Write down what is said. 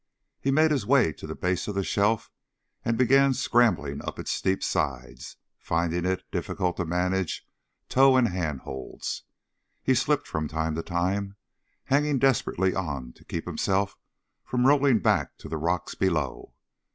He made his way to the base of the shelf and began scrambling up its steep sides, finding it difficult to manage toe and hand holds. He slipped from time to time, hanging desperately on to keep himself from rolling back to the rocks below.